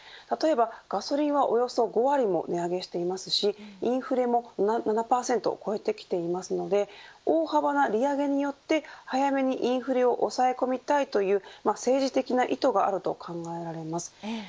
例えばガソリンはおよそ５割も値上げをしていますしインフレも７％を超えてきていますので大幅な利上げによって早めにインフレを抑え込みたいという政治的な意図があると考えられます。